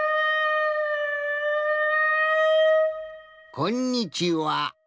こんにちは。